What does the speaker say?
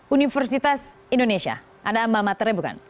universitas indonesia anda ambal matarnya bukan